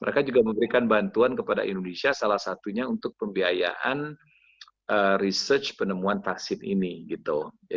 mereka juga memberikan bantuan kepada indonesia salah satunya untuk pembiayaan research penemuan vaksin ini gitu